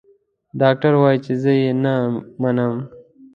ډاکټر وايي چې زه يې نه منم.